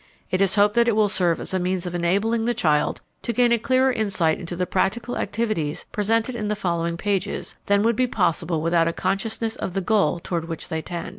It is hoped that it will serve as a means of enabling the child to gain a clearer insight into the practical activities presented in the following pages than would be possible without a consciousness of the goal toward which they tend.